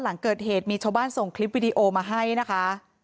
หลังเกิดเหตุมีชาวบ้านส่งคลิปวิดีโอมาให้นะคะ